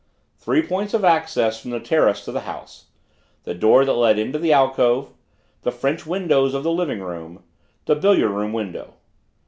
Three points of access from the terrace to the house the door that led into the alcove, the French windows of the living room the billiard room window.